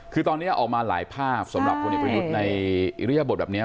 คือตอนนี้ออกมาหลายภาพสำหรับพลเอกประยุทธ์ในอิริยบทแบบนี้